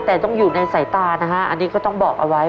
แต่ต้องอยู่ในสายตานะฮะอันนี้ก็ต้องบอกเอาไว้